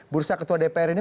bursa ketua dpr ini